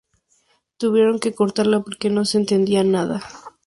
Tuvieron que cortarla porque no se entendía nada."".